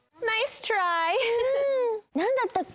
なんだったっけ？